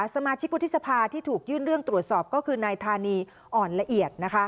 สมาชิกวุฒิสภาที่ถูกยื่นเรื่องตรวจสอบก็คือนายธานีอ่อนละเอียด